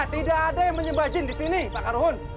tidak ada yang menyembah jin di sini pak karhun